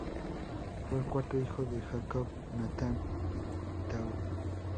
Fue el cuarto hijo de Jacob Nathan Taub.